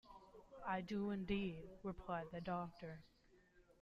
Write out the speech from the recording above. ‘I do, indeed,’ replied the Doctor.